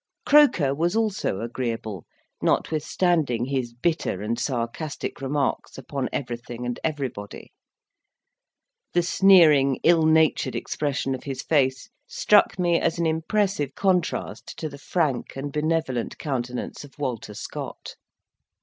Croker was also agreeable, notwithstanding his bitter and sarcastic remarks upon everything and everybody. The sneering, ill natured expression of his face, struck me as an impressive contrast to the frank and benevolent countenance of Walter Scott.